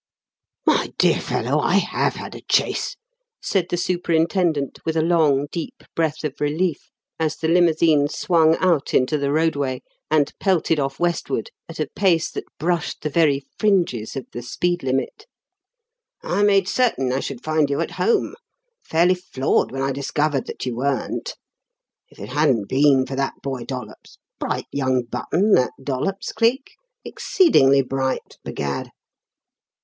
"My dear fellow, I have had a chase!" said the superintendent, with a long deep breath of relief, as the limousine swung out into the roadway, and pelted off westward at a pace that brushed the very fringes of the speed limit. "I made certain I should find you at home. Fairly floored when I discovered that you weren't. If it hadn't been for that boy, Dollops bright young button, that Dollops, Cleek; exceedingly bright, b'gad."